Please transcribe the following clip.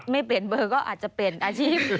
ไม่เป็นเบอร์ก็อาจจะเป็นอาชีพ